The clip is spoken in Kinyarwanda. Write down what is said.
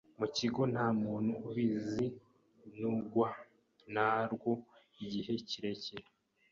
mu kigo ntamuntu ubizi ntugwa narwo igihe kirekire.